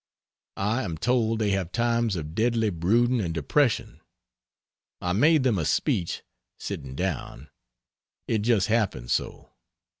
I am told they have times of deadly brooding and depression. I made them a speech sitting down. It just happened so.